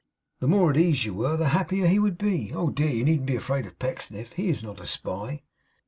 The more at ease you were, the happier he would be. Oh dear, you needn't be afraid of Pecksniff. He is not a spy.